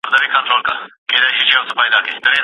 البته سوداګریز رازونه ساتل پکار دي.